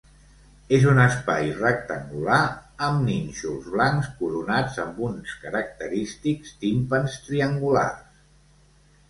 És un espai rectangular amb nínxols blancs coronats amb uns característics timpans triangulars.